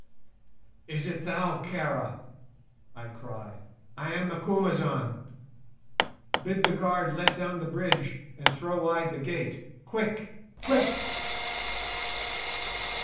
"Is it thou, Kara?" I cry; "I am Macumazahn. Bid the guard let down the bridge and throw wide the gate. Quick, quick!"